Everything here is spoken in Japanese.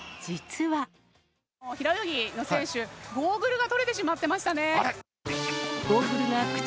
平泳ぎの選手、ゴーグルが取れてしまっていましたね。